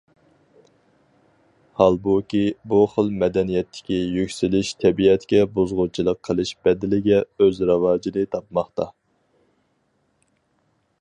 ھالبۇكى، بۇ خىل مەدەنىيەتتىكى يۈكسىلىش تەبىئەتكە بۇزغۇنچىلىق قىلىش بەدىلىگە ئۆز راۋاجىنى تاپماقتا.